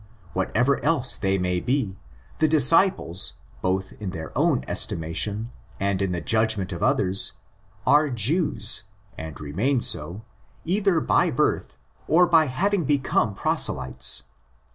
What ever else they may be, the '' disciples,'"' both in their own estimation and in the judgment of others, are Jews (and remain 80), either by birth or by having become proselytes.